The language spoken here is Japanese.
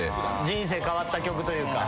人生変わった曲というか。